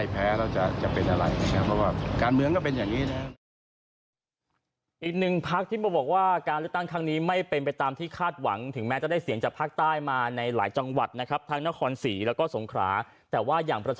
เพราะฉะนั้นผมคิดว่าวันนี้ผมให้กำลังใจท่านอีกกว่านะครับ